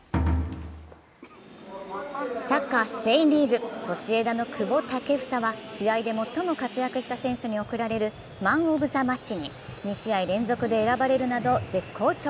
サッカー・スペインリーグ、ソシエダの久保建英は試合で最も活躍した選手に送られるマンオブザマッチに２試合連続で選ばれるなど絶好調。